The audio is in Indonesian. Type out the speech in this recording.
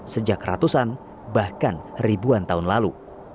sejak ratusan bahkan ribuan tahun lalu